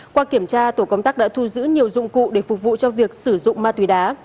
qua kiểm tra tổ công tác đã thu giữ nhiều dụng cụ để phục vụ cho việc sử dụng ma túy đá